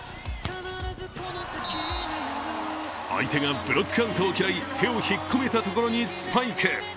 相手がブロックアウトを嫌い手を引っ込めたところにスパイク。